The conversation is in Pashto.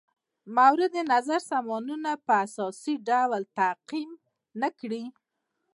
مورد نظر سامانونه په اساسي ډول تعقیم نه کړي.